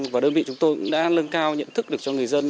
và đơn vị chúng tôi cũng đã lân cao nhận thức được cho người dân